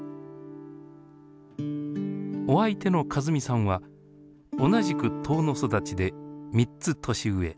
お相手の和美さんは同じく遠野育ちで３つ年上。